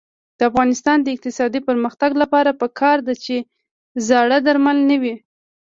د افغانستان د اقتصادي پرمختګ لپاره پکار ده چې زاړه درمل نه وي.